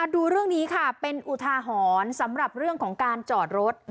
ดูเรื่องนี้ค่ะเป็นอุทาหรณ์สำหรับเรื่องของการจอดรถ